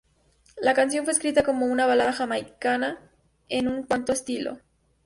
La canción fue escrita como una balada Jamaicana, en cuanto estilo.